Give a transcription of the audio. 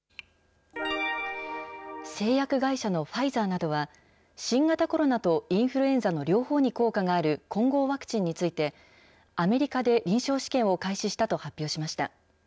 製薬会社のファイザーなどは、新型コロナとインフルエンザの両方に効果がある混合ワクチンについて、アメリカで臨床試験を開始したと発表しました。